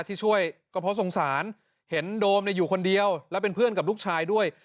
ที่ช่วยก็เพราะสงสารเห็นโดมอยู่คนเดียวแล้วเป็นเพื่อนกับลูกชายด้วย